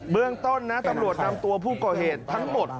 เมืองต้นนะตำรวจนำตัวผู้ก่อเหตุทั้งหมด